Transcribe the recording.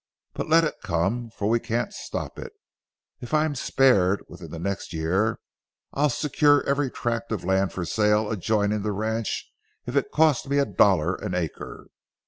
But let it come, for we can't stop it. If I'm spared, within the next year, I'll secure every tract of land for sale adjoining the ranch if it costs me a dollar an acre.